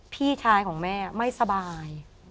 พี่ชายของแม่ไม่สบาย